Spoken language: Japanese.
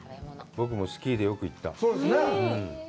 僕もスキーでよく行った。